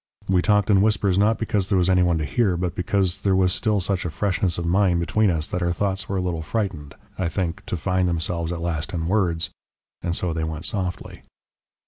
We talked in whispers not because there was any one to hear, but because there was still such a freshness of mind between us that our thoughts were a little frightened, I think, to find themselves at last in words. And so they went softly.